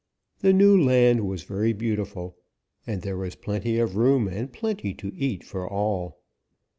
The new land was very beautiful, and there was plenty of room and plenty to eat for all.